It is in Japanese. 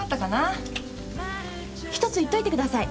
ひとつ言っといてください。